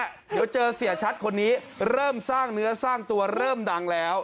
เดี๋ยวเจอเสียชัดคนนี้เริ่มสร้างเนื้อสร้างตัวเริ่มดังแล้ว